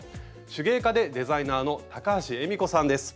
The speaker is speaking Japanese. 手芸家でデザイナーの高橋恵美子さんです。